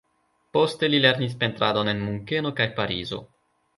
Poste li lernis pentradon en Munkeno kaj Parizo.